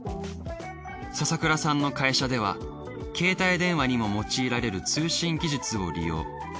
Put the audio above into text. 笹倉さんの会社では携帯電話にも用いられる通信技術を利用。